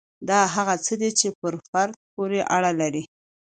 دا هغه څه دي چې پر فرد پورې اړه لري.